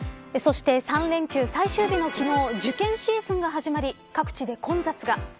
そして３連休最終日の昨日受験シーズンが始まり各地で混雑が。